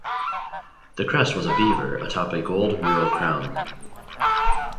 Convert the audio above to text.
The crest was a beaver atop a gold mural crown.